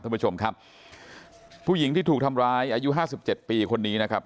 ท่านผู้ชมครับผู้หญิงที่ถูกทำร้ายอายุห้าสิบเจ็ดปีคนนี้นะครับ